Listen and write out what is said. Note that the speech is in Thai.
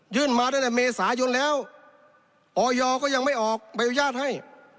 มาตั้งแต่เมษายนแล้วออยก็ยังไม่ออกใบอนุญาตให้